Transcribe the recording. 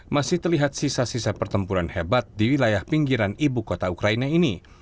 masih terlihat sisa sisa pertempuran hebat di wilayah pinggiran ibu kota ukraina ini